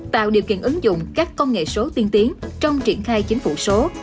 tạo điều kiện ứng dụng các công nghệ số tiên tiến trong triển khai chính phủ số